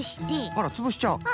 あらつぶしちゃう？